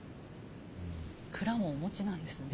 蔵もお持ちなんですね。